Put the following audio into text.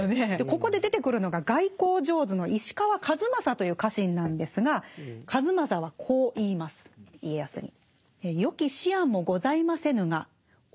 ここで出てくるのが外交上手の石川数正という家臣なんですが数正はこう言います家康に。